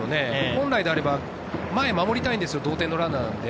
本来であれば前を守りたいんですよ、同点のランナーなので。